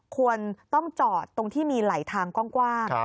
ควรต้องจอดตรงที่มีไหลทางกว้าง